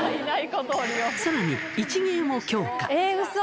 さらに、一芸も強化。